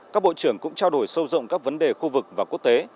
các bộ trưởng cũng trao đổi sâu rộng các vấn đề khu vực và quốc tế